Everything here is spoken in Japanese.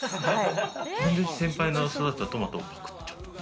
何で先輩の育てたトマトをパクっちゃった？